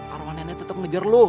arwah nenek tetep ngejar lo